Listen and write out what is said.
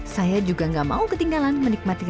saya juga gak mau ketinggalan menikmati